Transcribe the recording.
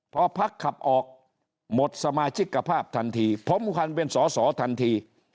พอภักดิ์ขับออกหมดสมาชิกกภาพทันทีพร้อมควรเป็นสอสอทันที